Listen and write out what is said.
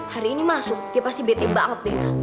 hari ini masuk dia pasti bete banget deh